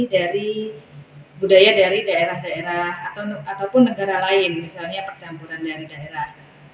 dari budaya dari daerah daerah ataupun negara lain misalnya percampuran dari daerah